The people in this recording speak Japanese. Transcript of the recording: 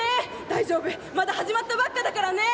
大丈夫まだ始まったばっかだからね！